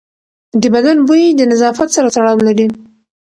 د بدن بوی د نظافت سره تړاو لري.